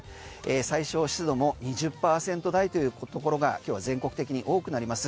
最小湿度も２０％台ということころが今日は全国的に多くなります。